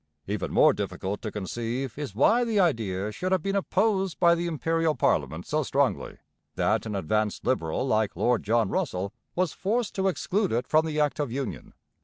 Even more difficult to conceive is why the idea should have been opposed by the Imperial parliament so strongly that an advanced Liberal like Lord John Russell was forced to exclude it from the Act of Union.